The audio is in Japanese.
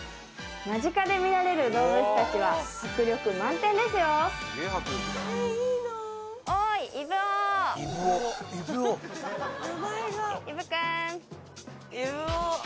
間近で見られる動物たちは迫力満点ですよイブくん